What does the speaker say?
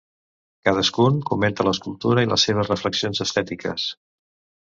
Cadascun comenta l'escultura i les seves reflexions estètiques.